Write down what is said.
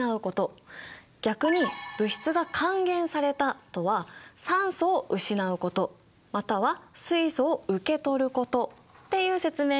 逆に物質が「還元された」とは酸素を失うことまたは水素を受け取ることっていう説明になるんだ。